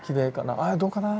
ああどうかな。